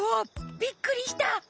びっくりした！